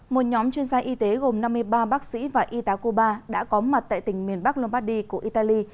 một nhóm chuyên gia y tế gồm năm mươi ba bác sĩ và y tá cuba đã có mặt tại tỉnh miền bắc lombardi của italy